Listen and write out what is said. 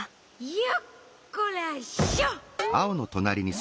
よっこらしょ！